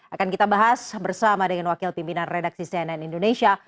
akan kita bahas bersama dengan wakil pimpinan redaksi cnn indonesia